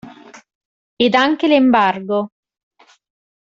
Ed anche l'embargo.